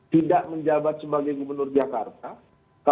tidak menjabat sebagai gubernur jakarta